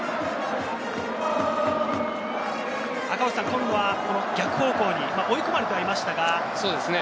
今度は逆方向に追い込まれてはいましたが。